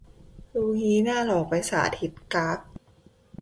รู้งี้น่าจะหลอกไปสาธิต กร๊าก